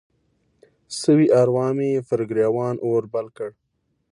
سوي اروا مې پر ګریوان اور بل کړ